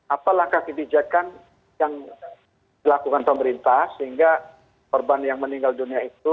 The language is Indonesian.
apa langkah kebijakan yang dilakukan pemerintah sehingga korban yang meninggal dunia itu